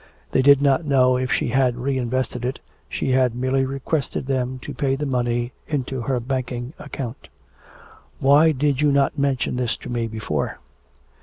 They did not know if she had re invested it, she had merely requested them to pay the money into her banking account. 'Why did you not mention this to me before?'